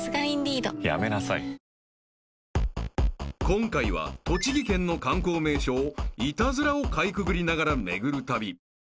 ［今回は栃木県の観光名所をイタズラをかいくぐりながら巡る旅］